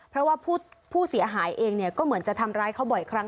เพราะว่าผู้เสียหายเองเนี่ยก็เหมือนจะทำร้ายเขาบ่อยครั้ง